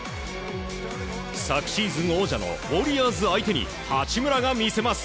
昨シーズン王者のウォリアーズ相手に八村が見せます。